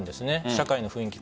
社会の雰囲気